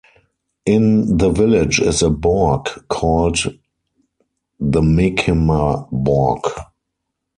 In the village is a "borg" called the Menkemaborg.